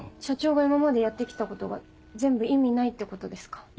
社長が今までやって来たことが全部意味ないってことですか？